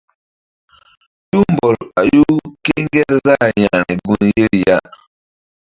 Tumbɔl ɓayu kéngerzah yȩkre gun yeri ya.